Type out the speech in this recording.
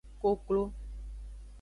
Koklo.